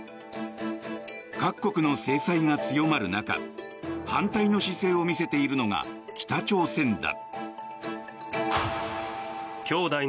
各国の制裁が強まる中反対の姿勢を見せているのが北朝鮮だ。